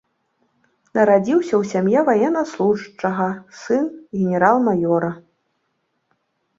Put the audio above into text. Нарадзіўся ў сям'і ваеннаслужачага, сын генерал-маёра.